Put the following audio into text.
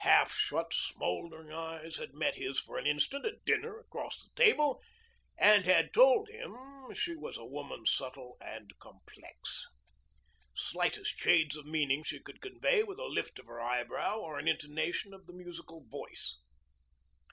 Half shut, smouldering eyes had met his for an instant at dinner across the table and had told him she was a woman subtle and complex. Slightest shades of meaning she could convey with a lift of the eyebrow or an intonation of the musical voice.